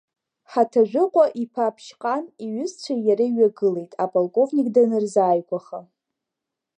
Ҳаҭажәыҟәа-иԥа Ԥшьҟан иҩызцәеи иареи ҩагылеит, аполковник данырзааигәаха.